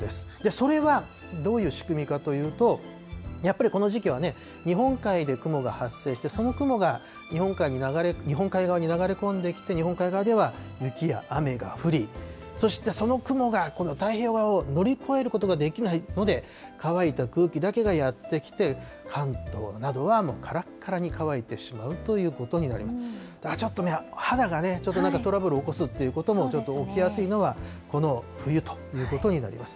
それはどういう仕組みかというと、やっぱりこの時期はね、日本海で雲が発生して、その雲が日本海側に流れ込んできて、日本海側では雪や雨が降り、そしてその雲が太平洋側を乗り越えることができないので、乾いた空気だけがやって来て、関東などはからっからに乾いてしまうということになり、だからちょっとね、肌がトラブル起こすってことも、ちょっと、起きやすいのは、この冬ということになります。